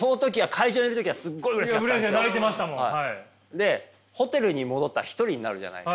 でホテルに戻ったら一人になるじゃないですか。